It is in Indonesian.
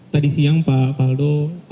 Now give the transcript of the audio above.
tadi siang pak faldo